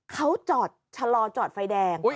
เขาจอดชะลอจอดไฟแดง